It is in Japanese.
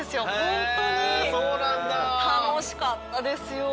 楽しかったですよ。